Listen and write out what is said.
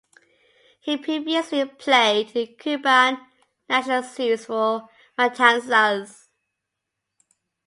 He previously played in the Cuban National Series for Matanzas.